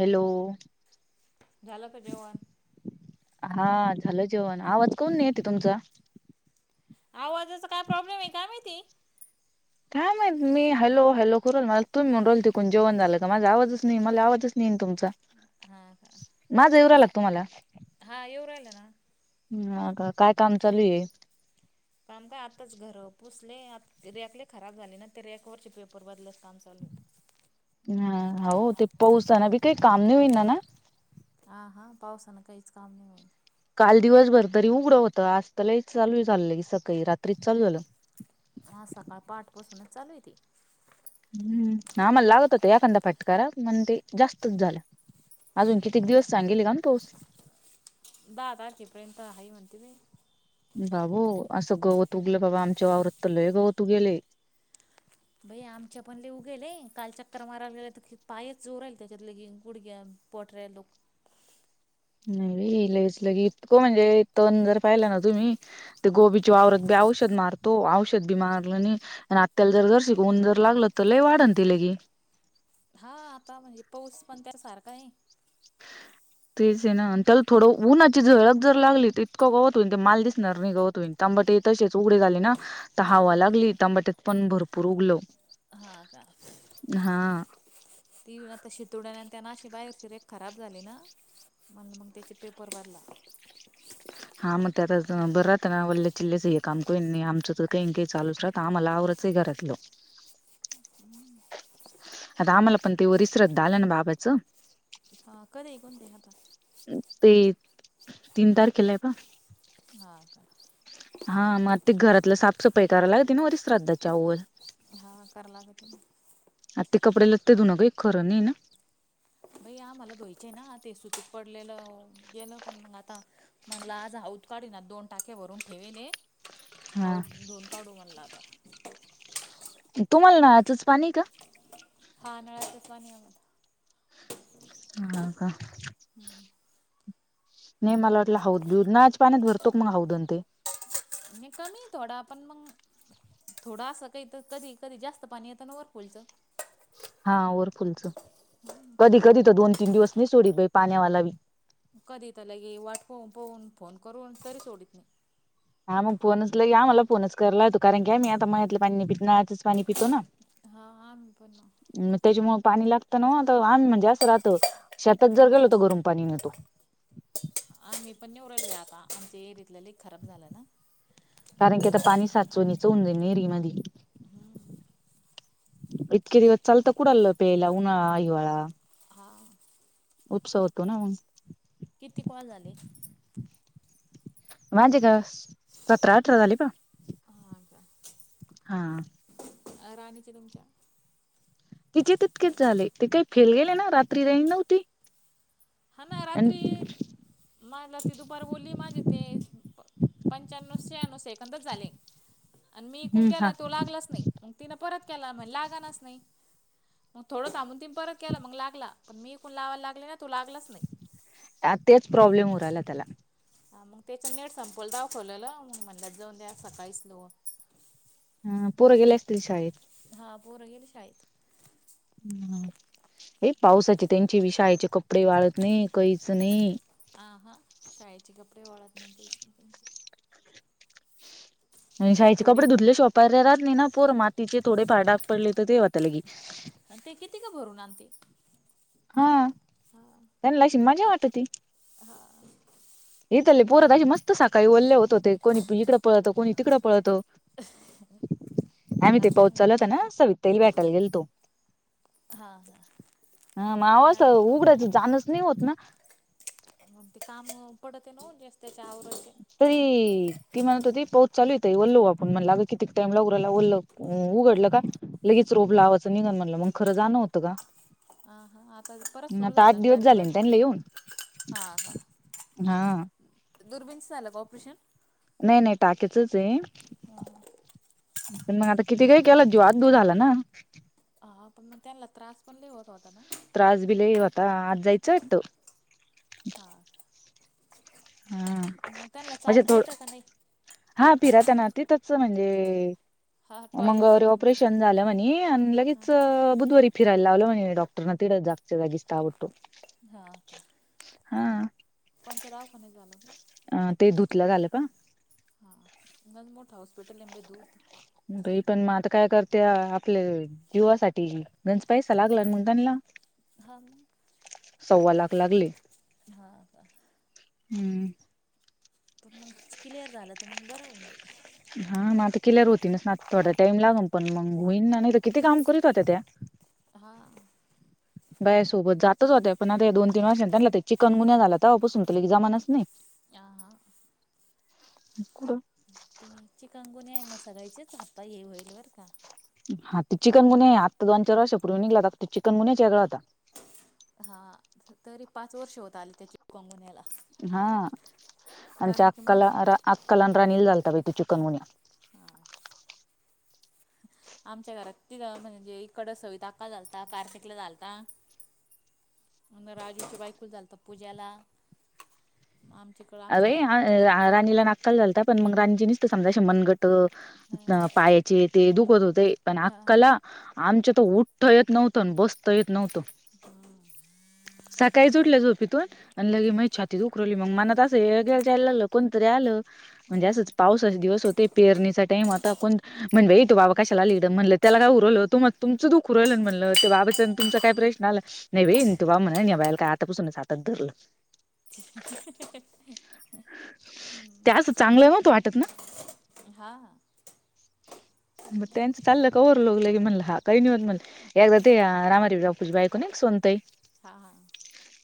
Hello झालक जेवण हां, झाला जेवण आवाज काहून येत नाही तुमचा आवाजाचा काय प्रॉब्लेम आहे का माहिती? मी हॅलो, हॅलो करत होते. मला तुम्ही म्हणत होते की जेवण झालं का? माझा आवाजच नाही, मला आवाजच येत नाहीये तुमचा हा, हा माझं येऊरा राहिला का तुम्हाला हा येवऊ राहिलं ना हे काय काम चालू आहे? काम काय आताच घर पुसले, रॅकले खराब झाले ना, ते रॅकवरचे पेपर बदललं काम चालू होतं ह हो ते पावसान बी काही काम नाही होई ना ना हा, हा पाऊसान काहीच काम नाही हो काल दिवसभर तरी उघडं होतं, आजतसही चालू चाललंय, सकाळी रात्री चालू झालं आज सकाळ पाटपासूनच चालू आहे ते हम्म, आम्हाला लागत होता एखांदा फटकार म्हण, ते जास्त झालं अजून कितीक दिवस सांगेल का पाऊस? दहा तारखेपर्यंत आहे म्हणती बाई बाबो असं गवत उगवल आमच्या वावरात तर लय गवत उगले भई आमच्या पणले उघेलय, काल चक्क्कर मारायला गे तर पायच चोरहिल, त्यातच ल गुडग्‍या पोटर लो नाही लगेच, लगेच म्हणजे दोन जर पाहिला ना तुम्ही ते गोबीच्या वावरात बी औष औषध मारतो, औषध बी मारलं आणि, आणि आल्याला जर-जर शिकवन जर लागलं, तर लई वाढंन ती लगे हा आता म्हणजे पाऊस पण सारखा आहे तेच आहे ना, त्याला थोडं उन्हाची झळक जर लागली, तर इतकं गवत होईन ते माल दिसणार नाही, गवत होईन. तांबाटे तसेच उघडी झाले ना, तर हा हवा हा लागली तांबाट्यात पण भरपूर उगल हा का हा ती आता शटडाउन आणि त्यांनाशी बाहेरची रेख खराब झाली ना म्‍हण मग त्‍याचे पेपर बदला हा मग त्या बरं राहत ना, वल्ले चिल्लेचे आहे काम करून आमचं तर काही-काही चालून राह, आम्हाला आवर सिगरेट लो आता आम्हाला पण ते वरिष्श्राद्धआलं ना बाबांचं हा करे कते हता ते तीन तारखेला आहे पा हां हा मग ते घरातलं साफसफाई करायला लागते ना वरिष्श्राद्धाच्या अगोद हा कराय लागती मग. आता ते कपडे लत्ते धूण काही खरं नाही ना. बई आ मला धुवायचे आहे ना ते सुतूक पडलेलं गेलं पण मग आता [unintelligible] मणला आज ह उदकाळी ना दोन टाके भरून ठेवेल [unintelligible] हा हौद धून काढू म्हणलं आता. तुम्हाला नळाचच पाणी आहे का? हा नळाचे पाणी आम्हाला हाव का? हम्म. नाहीे मला वाटलं हौद ब्यौद नळाच्या पाण्यात भरतो का मग हौद आणि ते? नाही कमी थोडा पण मग थोडं असं काही तर कधी कधी जास्त पाणी येत ना वरपुलचं. हा वरफुलच. कधी कधी तर दोन तीन दिवस नाही सोडी बाई पाण्यावाला बी. कधीता लगे [unintelligible] वाट पून फोन करून तरी सोडीितत नाही हा मग फोनच ल ह मला फोनच कराला लातो कारण की आ मी आता महि्यातलं पाणी पित आच पाणी पितो ना [unintelligible] हा हा. पण मग त्याच्यामुळे पाणी लागत ना, आता आण म्हणजे असं राहत शेतात जर हा गेलो तर गरम पाणी नेतो. आ मी पण निववरले [unintelligible] आता आम ते एरथलंली खराब झालं ना. कारण की आता पाणी साचवनीच होऊन जाईल विहिरीमधी. इतके दिवस चालतं कुडाल प्यायला उन्हाळा, हिवाळा. हा. उपसा होतो ना मग. किती कॉल झाले? माझे काय सतरा अठरा झाले पहा. हा का? हा. राणीचे तुमच्या. तिचे तितकेच झाले ती काही फेल गेले ना रात्री रा नव्हती [unintelligible] हा ना रात्री हम्म लावला ती दुपार बोलली माझे ते पंच्याण्णव शहाण्णवे एकंदच झाले आणि मी कून केला हा तो लागलाच नाही [unintelligible] मग तिनं परत केला म्हण लागनाच नाही. मग थोडं थांबून तीनं परत केला मग लागला, पण मी इकडून लावायला लागले ना तो लागला आता तेच प्रॉब्लेम होऊ राहिला त्याला. हा मग त्याच नेट संपवलं दाखवलेलं मग म्हणलं जाऊन द्या सकाळीच लाऊवा. हम्म पोर गेले असतील शाळेत? हा पोरं गेलीत शाळेत. हम्म हे पावसाचे त्यांची बी शाळेचे कपडे वाळत नाही, काहीच नाही. आ हा शाळेचे कपडे वाळत नाही काहीच नाही त्यांचे. आणि आता शाळेचे थोडी कपडे धुतले. [unintelligible] राहात नाही ना पोर मातीचे थोडे फार डाग पडले तर ते होता लगी. ते किती का भरून आणते? हा त्यांना अशी मजा वाटती. हा. यले पोरत अशी मस्त साखळी ओले होत होते कोणी इकं पळत कोणी तिकडं पळतं [unintelligible] मग आम्ही ते आता पाऊस आणलं चालू होता ना, सवितताईला भेटायला गेलतो. हा हा. हा माव अस उघडायचं जाणच नाही होत ना. मग ते काम पडते ना ओ ते जास्तीच आवरा ती ती म्हणत होती पाऊस चालू आहे ताई ओल्ल होऊ आपण. म्हणलं अग कितीक टाईम लागु राहिलं ओल. अं उघडलं हां का लगेच रोप लावायचं निघन म्हणलं मग खरं जाणं होतं का? हां हां आता परत सुरू नाहीता आठ झालं दिवस बारीक झाले ना बारीक त्यांनीला येऊन. हा. दुर्बीनचं झालं का ऑपरेशन? नाही नाही टाकेचच आहे. पण मग आता किती काही केलं ज्वात दू झाला ना. हा पण मग त्यांना त्रास पण लयं होत होता ना त्रास बी लई होता आज जायचं वाटतो. हा हां. म त्यांनला चालता येतं का नाही? हा पिराता ना ते त्याच म्हणजे हां टॉयलेट मंगळवारी बाथरूम पुरता ऑपरेशन झालं म्हणी आणि लगेच हां बुधवारी फिरयला लावलं मम्हणे डॉक्टर ना तिकडे जागचा जागेस ताव तो हा का कोणच्या दवाखान्यात झालं म अ ते धुतला झालं का हा मंग मोठा हॉस्पिटल आहे अंबे दूत बाई पण मग आता काय करते आपले जीववासाठी गंजपाईसा लागला म्हणताना हा सव्वा लाख लागले. हा का? हम्म. पण मग क्लिअर झालं तर मग बरं होईन बाई हा मग आता केल्यावर होती नस ना आता थोडा टाइम लाग पण मग होईन ना नाही तर किती काम करीत होत्या त्या. हां. बाय सोबत जातच होते पण आ ते दोन तीन वर्षाने त्यां चिकन गुन्या झाला तेव्हापसून जमानाच नाही. यां हा. कुडं ते चिकगुणी आहे ना सगळचेच हातां ये होईल बर का. हा ते चिकन मुनिया आहे आता दोन चार वर्षपूर्वी निघला आता तो चिकनुन्हच्यागळा होता हां तरी पाच वर्ष होत आली त्याची कोंगुन्याला. हा आमच्या की माझ अक्काला अक्काला आणि रानी ला झालतं बाइ ते चिकन मुनिया. हा आमच्या घरात तिघं म्हणजे इकडें सविता आक्काला झालता तिकडं कार्तिकला झालता. आणि राजूची बायको झालता पूजाला. आमच्या कडी अ वई राणीला नाक्काल झालता पण मग राणीजी नी ते समजा शमनगट त हा पायाचे ते दुखत होते पण हा हा आक्काला आमच्या तर उठ्ठ येत नव्हतं बसतं आणि येत नव्हतं. सकाळीच उटल्या झोपीतून आणि लगे माही छातीत दूखरवली मग मनात [unintelligible] कोणतरी आलं म्हणजे हम्म असच हम्म पाऊस चास दिवस होते पेरणीचा टईम आता कोण मनवय तू बाबा कशाला आली इकडं म्हणलं त्याला काय उरवल हो तू म तुमचं दुख राहिल म्हणलं ते बाबाचं तुमचा काय प्रश्न आला नाही बाई तो बा म्हणाल निवायला काय आतापसूनच हातात धरलं. हं हं हं हं हं हं त्याच चांगलं होत वाटत ना. हा हा. मग त्यांचं चाललं कौवर लोगलं की म्हणला हा काही नाही होत म्हण. एकदा ते रामारीफूजची बाईको नाही सोनताई हा हा.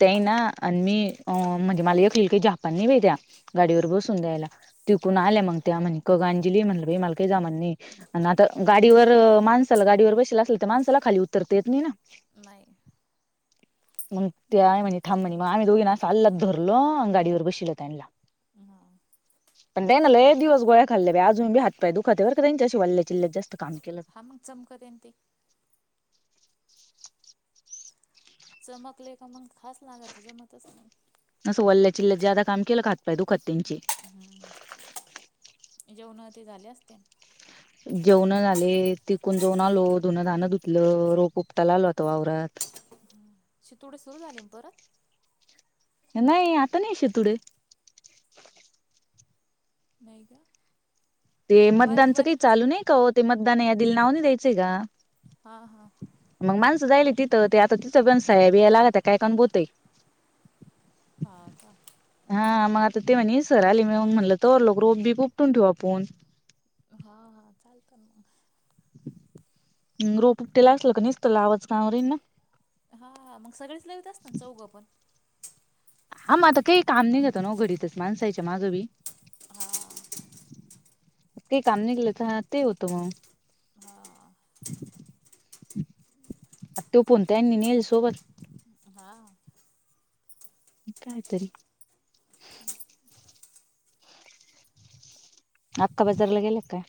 तेंना आणि मी अ म्हणजे मला एकली काय झापान नई बाई त्या हा गाडीवर बस- तून द्यायला तिकून आल्या मग त्या म्हणे कगांजली म्हणलं मला काही जामण नाही. आणि आता गाडीवर माणसाला गाडीवर बसेला असेल तर माणसाला खाली उतरता येत नाही ना नाही. मग ते आहे म्हणे थांम म्हणे, मग आम्ही दोघींनी असं अल्लत धरलो आणि हम्म गाडीवर बशीवल त्यांला. हा [inaudible] पण त्यान लय दिवस गोळ्या खाल्ल्या बाई. अजून बी हात पाय दुखत बर का त्यांच्याशी वल्ल्या चिल्ल्यात जास्त काम केलं. हा मग चमकत आहे ना ते. चमकले का मग, खास लागत जमतच नाही. असं वल्ल्या चिल्लत ज्यादा काम केलं का हात पाय दुखती. हम्म. जेवण ते झाले असत्याल. जेवण झाले. तिकून जाऊन आलो. धुनं धानं धुतलं, रोप उपटाला आलो आता वावरात. शितोडे सुरू झालेन परत. नाही आता नाही शेतुढे. नाही गं. ते मतदानचं काही चालू नाही का ओ ते मतदान यादीला नाव नाही द्यायचं का. हा हा. मग माणसं जायली तिथं ते, आता तिथं पण साहेब या लाग त्या काय कोण बोलतय. [inaudible] हां का. हा मग आता ते म्हणे, सराले मून म्हटलं तर लोक रोप बी प उपटून ठेवू आपूण. हा हा. चालत मग, रोप उकटे असले, काणी निसत लावायच काम राहिल ना. हा मग सगळेच लवित असलत चौघं पण. हा मग आता काही काम नाही ना घेत हो घडीतच माणसायच्या मागं बी हा. ते काम निघलत ते होतं मग. हां आ तो पणतयल नी सोबत. हा. कायतरी आप काय बाजारला गेले काय.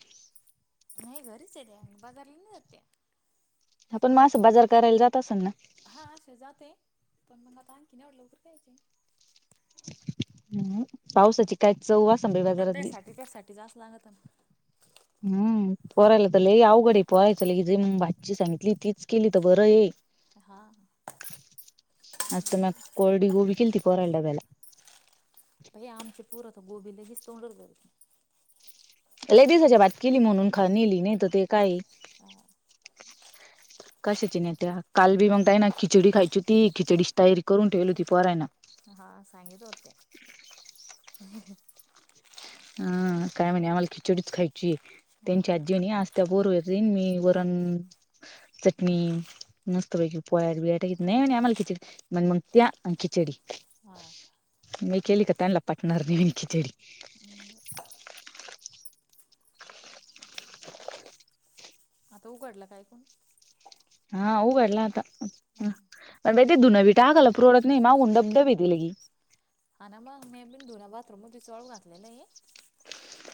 नाही घरीच आहे त्या बाजारला नाही जात त्या. पण मासं बाजार करायला जात असल ना. हां अशी जाते पण, म्हणल आता आणखीन येवढ्या लवकर काय चे. हम्म पावसाची काय चव वास डब्यासाठी त्यासाठी जास्त लागतं. हम्म. पोराला तर लई अवघड पोहायचं लगीच जे मग भाची सांगितली तीच केली तर बरं ये. हा. आज तर म्या कोरडी गोबी केलती डब्याला. ये आमचे पोरं तर गोबी लगेच तोंडात घालती. [unintelligible] नेली नाही तर ती काय. हा कशाची नेत्या. काल बी मग हा त्यांना खिचडी खायची होती. खिचडीची तयारी करून ठेवली ती पोरानं. हां सांगितले होते. हं काय म्हणे आम्हाला, खिचडीच खायची हा त्यांचात. जेवणी आज त्या बोर वन मी वरण चटणी. मस्तपैकी [unintelligible] येत नाही आणि आम्हाला खिचडी नाही मग त्या आणि खिचडी. हा मी केली का त्यांना पाठवणार नाही मी खिचडी. हम्म बर. [inaudible] आता उघडलं काय कोण? हां उघडला आता. म्हण ते दुनंई टाकल पुरडत नाही, मागून डब्बे पण दिले की. हा ना मग मी बी धुन बाथरूम मधिच वाळू घातलेलं आहे.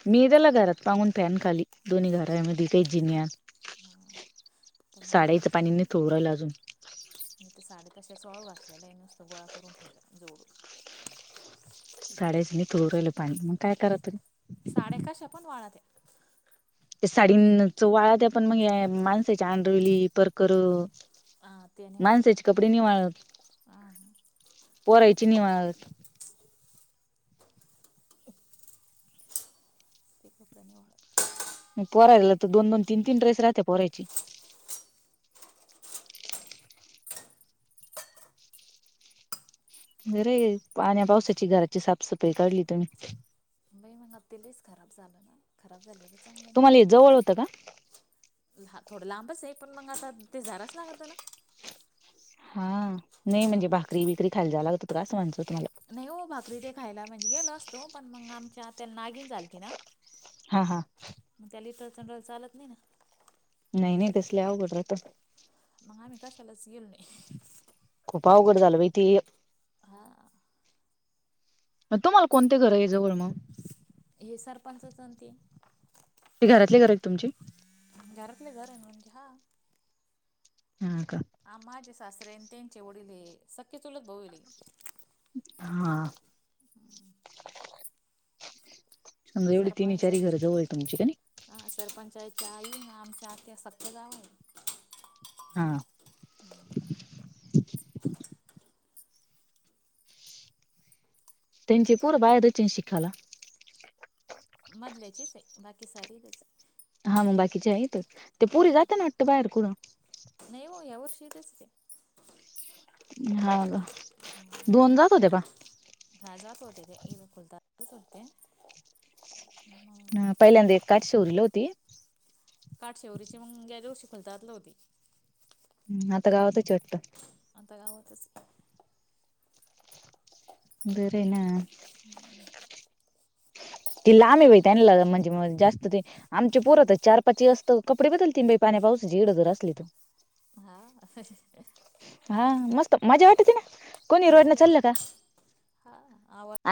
मी त्याला घरात पाहून फॅन खाली दोन्ही घरायमधी काही जिन्यात. हा तर मग साडीच म्हटलं पाणी निथळू राहिलं अजून. मी तर साड्या तशाच वाळू घातलेले आहे नुसतं गोळा करून ठेवलं जोडून. साड्याच नितळू राहिलं पाणी, मग काय कराव तरी? साड्या कशा पण वाळते. ते साडीं च वाळा ते पण मग, माणसाच्या आंढरवली परकर. हा ते नाही वाळत माणसाचे मग कपडे नाही वाळत, हा हा पोरायची नाही वाळत. ते कप्रणेव. आणि पोरायला तर दोन दोन तीन तीन ड्रेस राहते पोरायची. बरी पाण्या पावसाची घराची साफसफाई काढली तुम्ही. बई मग ते लईच खराब झालं ना? खराब झालं बाई. तुम्हाला हे जवळ होतं का? थोडं लांबच आहे, पण मग आता ते जायलाच लागत ना. हा नाही म्हणजे भाकरी बिकरी खायला जाव लागत होत का असं म्हणायचं होतं मला. नाही हो भाकरी ते खायला म्हणजे गेलो असतो, पण मग आमच्या त्याला नागीन झालती ना. हा हा. मग त्याला इथं लई चंडळ चालत नाही ना. नाही नाही तस लई अवघड राहतं. मग आम्ही कशालाच गेलो नाही. खूप अवघड झालं बाई ते एक. हा. मग तुम्हाला कोणते घर आहे जवळ मग? हे सरपंचाच आणि ते ते घरातली घर आहेत तुमची? म्हणून घरातल्या घरात [unintelligible] हा. हा का? आ माझे सासरे आणि त्यांचे वडील हे सख्खे चुलत भाऊ आहीले. हा. उलट तिनही चारी घर जवळ आहे तुमची कनई? ह सरपंचाच्या आई आणि आमच्या आत्या सख्ख्या जावा आहे. हा. हम्म. त्यांची पोर बाहेरच आहे ना शिकायला. मधल्याचेच आहे. बाकी सारी इथेच हा मग बाकीचे आहेत. ते पुरी जात्या ना वाटतं बाहेर करून. नाही हो या वर्षीे इथंच आहे ते. नाही ना. दोन जात होते का? हा जात होते ते ए [unintelligible] ते. ह पहिल्यांदा एक काठशी उरली होती. काठ शेवरीची मग गेल्या वर्षी [unintelligible] होती. हम आता गावातच, आहे वाटतं. आता गावात़च बरं आहे ना. हम्म. ती लहान आहे बाई त्यांना म्हणजे मग जास्त ते आमच्या पोर तर चार पाच वेळेस तर कपडे बदलतील बाई पाण्या पावसाची इकडं जर असली तर. हा [unintelligible] हा मस्त मजा वाटते ना. कोणी रोडनं मजा वाट चाललं का हा आवा